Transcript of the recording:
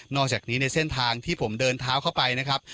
อกจากนี้ในเส้นทางที่ผมเดินเท้าเข้าไปนะครับ